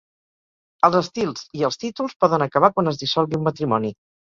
Els estils i els títols poden acabar quan es dissolgui un matrimoni.